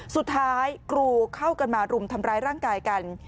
สุดท้ายกรูเข้ากันมารุมทำร้ายร่างกายกัน